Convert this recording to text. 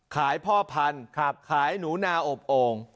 พ่อพันธุ์ขายหนูนาอบโอ่ง